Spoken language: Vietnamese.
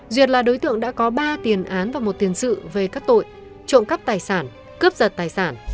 duyệt là đối tượng đã có ba tiền án và một tiền sự về các tội trộm cắp tài sản cướp giật tài sản